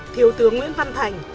thiếu tướng nguyễn văn thành